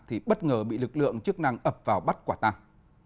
thì bất ngờ bị lực lượng chức năng ập vào bắt quả tàng